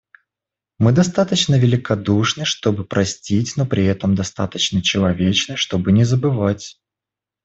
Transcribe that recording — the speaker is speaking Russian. Мы достаточно великодушны, чтобы простить, но при этом достаточно человечны, чтобы не забывать.